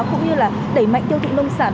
cũng như là đẩy mạnh tiêu thụ nông sản